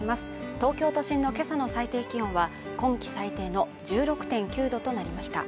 東京都心の今朝の最低気温は今季最低の１６．９度となりました